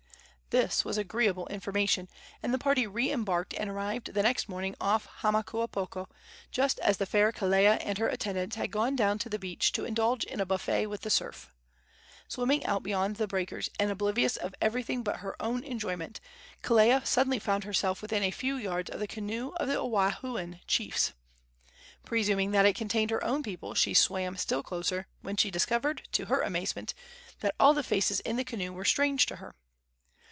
This was agreeable information, and the party re embarked and arrived the next morning off Hamakuapoko, just as the fair Kelea and her attendants had gone down to the beach to indulge in a buffet with the surf. Swimming out beyond the breakers, and oblivious of everything but her own enjoyment, Kelea suddenly found herself within a few yards of the canoe of the Oahuan chiefs. Presuming that it contained her own people, she swam still closer, when she discovered, to her amazement, that all the faces in the canoe were strange to her.